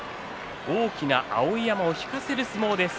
大きな碧山を引かせる相撲です。